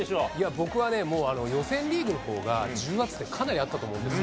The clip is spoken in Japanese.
僕はね、もう予選リーグのほうが重圧ってかなりあったと思うんですよ。